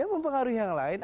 ya mempengaruhi yang lain